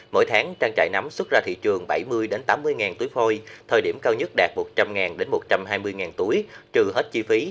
mỗi tháng trang trại nấm xuất ra thị trường bảy mươi tám mươi ngàn túi phôi thời điểm cao nhất đạt một trăm linh một trăm hai mươi túi trừ hết chi phí